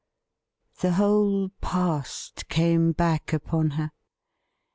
The whole past came back upon her.